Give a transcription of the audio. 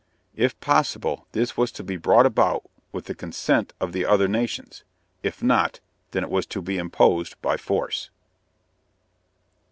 If possible, this was to be brought about with the consent of the other nations; if not, then it was to be imposed by force.